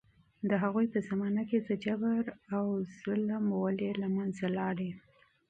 د هغوی په زمانه کې د ظلم او استبداد ریښې له منځه لاړې.